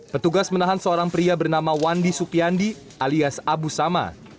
petugas menahan seorang pria bernama wandi supiandi alias abu sama